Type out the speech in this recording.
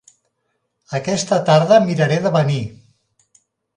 Aquesta tarda miraré de venir.